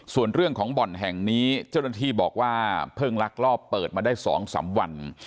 ส่วนเรื่องของบ่อนแห่งนี้เจ้าหน้าที่บอกว่าเพิ่งลักลอบเปิดมาได้๒๓วัน